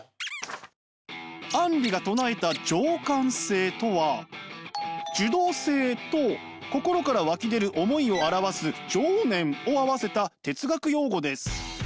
アンリが唱えた情感性とは受動性と心から湧き出る思いを表す情念を合わせた哲学用語です。